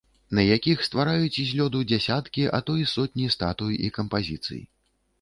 На якіх ствараюць з лёду дзесяткі, а то і сотні статуй і кампазіцый.